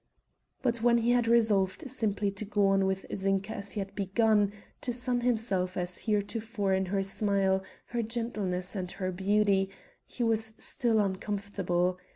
But when he had resolved simply to go on with Zinka as he had begun, to sun himself as heretofore in her smile, her gentleness, and her beauty, he was still uncomfortable.